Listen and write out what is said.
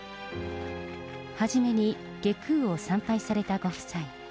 初めに外宮を参拝されたご夫妻。